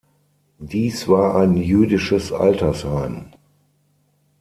Dies war ein Jüdisches Altersheim.